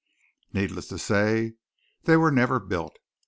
Needless to say they were never built.